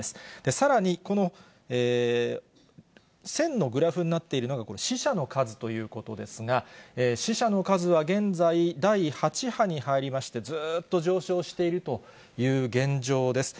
さらに、この線のグラフになっているのがこれ、死者の数ということですが、死者の数は現在、第８波に入りまして、ずっと上昇しているという現状です。